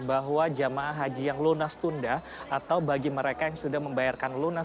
bahwa jemaah haji yang lunas tunda atau bagi mereka yang sudah membayarkan lunas